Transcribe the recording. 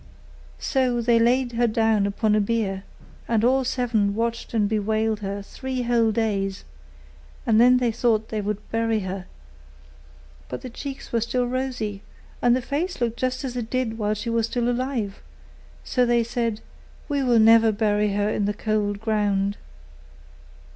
So they laid her down upon a bier, and all seven watched and bewailed her three whole days; and then they thought they would bury her: but her cheeks were still rosy; and her face looked just as it did while she was alive; so they said, 'We will never bury her in the cold ground.